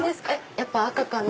やっぱ赤かな。